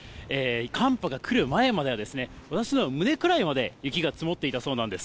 寒波が来る前までは、私の胸くらいまで雪が積もっていたそうなんです。